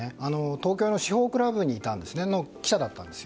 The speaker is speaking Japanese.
東京の司法クラブの記者だったんです。